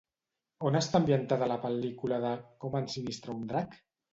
On està ambientada la pel·lícula de Com ensinistrar un drac?